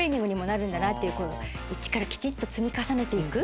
イチからきちっと積み重ねて行く。